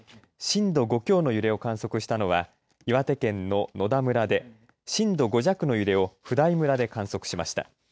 震度５強の揺れを観測したのは岩手県の野田村で震度５弱の揺れを普代村で観測しました。